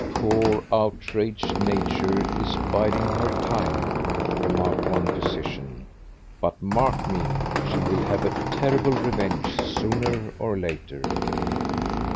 "Poor, outraged nature is biding her time," remarked one physician, "but mark me, she will have a terrible revenge sooner or later!"